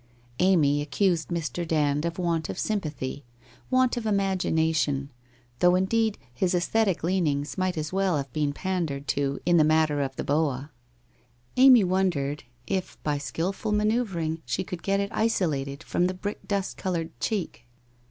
Amy accused Mr. Dand of want of sympath} r , want of imagination, though indeed his aesthetic leanings might as well have been pandered to in the matter of the boa; Amy wondered if by skilful manoeuvring she could get it isolated from the brick dust coloured cheek?